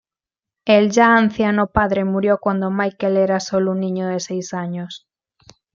El ya anciano padre murió cuando Michael era solo un niño de seis años.